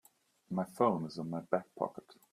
My phone is in my back pocket.